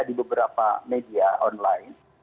di beberapa media online